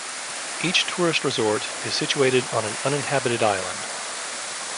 Each tourist resort is situated on an uninhabited island.